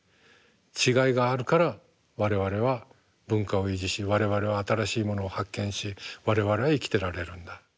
違いがあるから我々は文化を維持し我々は新しいものを発見し我々は生きてられるんだ。